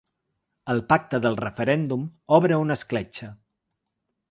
El pacte pel referèndum obre una escletxa.